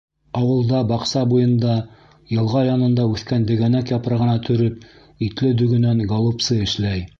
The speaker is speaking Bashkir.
Ауылда баҡса буйында, йылға янында үҫкән дегәнәк япрағына төрөп, итле дөгөнән голубцы эшләй.